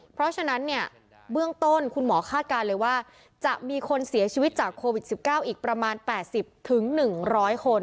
เพราะฉะนั้นเนี่ยเบื้องต้นคุณหมอคาดการณ์เลยว่าจะมีคนเสียชีวิตจากโควิด๑๙อีกประมาณ๘๐๑๐๐คน